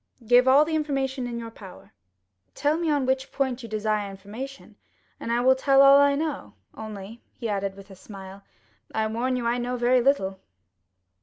"Give all the information in your power." "Tell me on which point you desire information, and I will tell all I know; only," added he, with a smile, "I warn you I know very little."